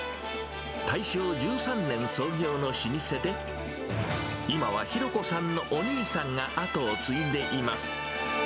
大正１３年創業の老舗で、今は浩子さんのお兄さんが跡を継いでいます。